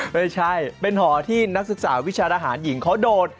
ไม่ใช่เป็นหอที่นักศึกษาวิชาทหารหญิงเขาโดด